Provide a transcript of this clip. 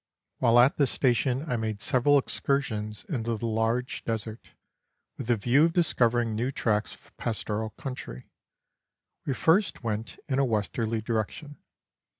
While at this station I made several excursions into the large desert, with the view of discovering new tracts of pastoral country. We first went in a westerly direction.